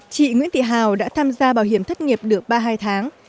chị nguyễn thị hào đã tham gia bảo hiểm thất nghiệp được ba mươi hai tháng